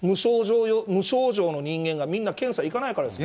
無症状の人間がみんな検査に行かないからですよ。